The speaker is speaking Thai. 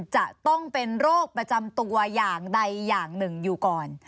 จะต้องเป็นโรคประจำตัวอย่างใดอย่างหนึ่งอยู่ก่อน